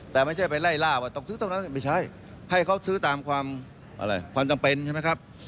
แต่ไม่ใช่ไปไล่ล่าว่าต้องซื้อตรงนั้นไม่ใช่ให้เขาซื้อตามความอะไรความจำเป็นใช่ไหมครับ